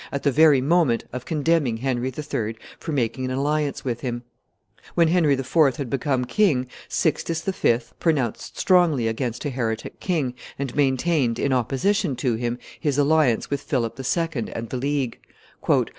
at the very moment of condemning Henry III. for making an alliance with him. When Henry IV. had become king, Sixtus V. pronounced strongly against a heretic king, and maintained, in opposition to him, his alliance with Philip II. and the League.